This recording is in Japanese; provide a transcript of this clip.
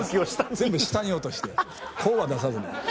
全部下に落としてこうは出さずに。